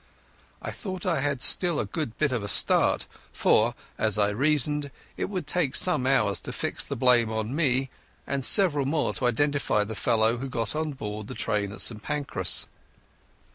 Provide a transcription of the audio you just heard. I thought I had still a good bit of a start, for, as I reasoned, it would take some hours to fix the blame on me, and several more to identify the fellow who got on board the train at St Pancras.